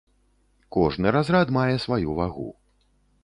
Кожны разрад мае сваю вагу.